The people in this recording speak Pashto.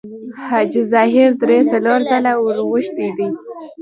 حاجي ظاهر درې څلور ځله ورغوښتی دی.